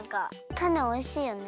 たねおいしいよね。